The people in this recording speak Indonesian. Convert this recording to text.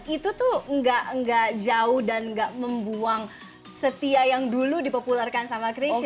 itu tuh nggak jauh dan nggak membuang setia yang dulu dipopularkan sama cresce ya